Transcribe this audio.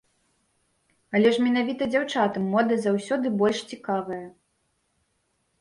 Але ж менавіта дзяўчатам мода заўсёды больш цікавая.